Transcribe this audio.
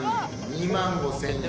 ２万５，０００円。